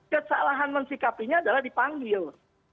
kesalahan mensikapinya adalah dipanggil